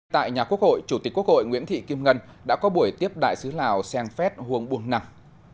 tại nhà quốc hội chủ tịch quốc hội nguyễn thị kim ngân đã có buổi tiếp đại sứ lào sen phét huông buồn nặng